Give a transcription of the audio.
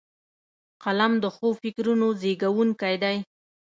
قلم د ښو فکرونو زیږوونکی دی